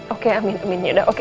oke amin amin yaudah oke